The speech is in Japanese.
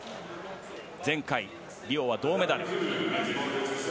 前回、リオは銅メダル。